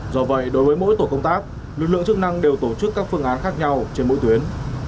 do vậy đối với mỗi tổ công tác lực lượng chức năng đều tổ chức các phương án khác nhau trên mỗi tuyến